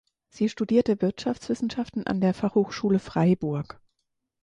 Sie studierte Wirtschaftswissenschaften an der Fachhochschule Freiburg.